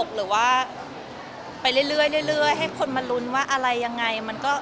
หรือว่าไปเรื่อยให้คนมาลุ้นว่าอะไรยังไง